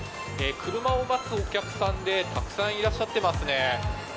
車を待つお客さんで、たくさんいらっしゃってますね。